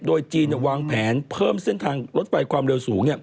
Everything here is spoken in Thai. โดยจีนวางแผนเพิ่มเส้นทางรถไฟความเร็วสูง